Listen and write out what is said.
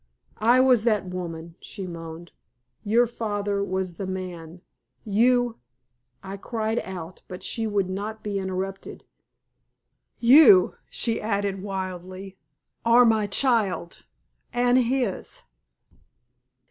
"I was that woman," she moaned. "Your father was the man! You " I cried out, but she would not be interrupted. "You," she added, wildly, "are my child and his!"